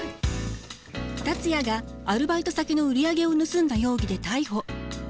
達也がアルバイト先の売り上げを盗んだ容疑で逮捕。